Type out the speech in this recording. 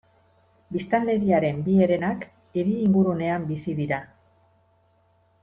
Biztanleriaren bi herenak hiri ingurunean bizi dira.